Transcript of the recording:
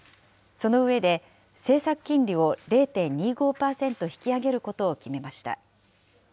その上で、政策金利を０．２５％引き上げることを決めました。